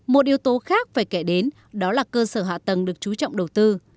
một yếu tố khác phải kể đến đó là cơ sở hạ tầng được chú trọng đầu tư